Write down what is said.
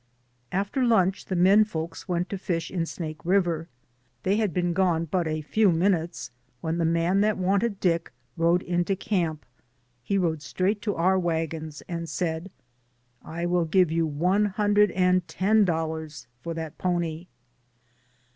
After lunch the men folks went to fish in Snake River. They had been gone but a few minutes, when the man that wanted Dick rode into camp. He rode straight to our wagons, and said: 248 DAYS ON THE ROAD. "I Will give you one hundred and ten dol lars for that pony."